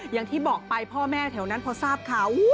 อย่างที่บอกไปพ่อแม่แถวนั้นพอทราบข่าว